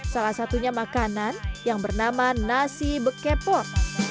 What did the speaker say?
salah satunya makanan yang bernama nasi bekepor